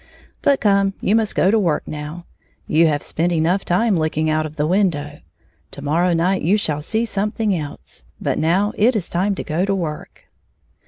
But, come, you must go to work now. You have spent enough time looking out of the window. To morrow night you shall see something else, but now it is time to go to work."